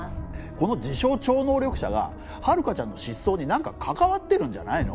「この自称超能力者が遥香ちゃんの失踪になんか関わってるんじゃないの？」